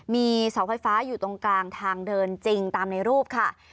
มีเสาไฟฟ้าอยู่ตรงกลางทางเดินจริงตามในรูปค่ะ